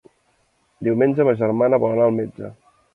Diumenge ma germana vol anar al metge.